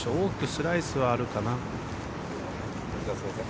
スライスはあるかな。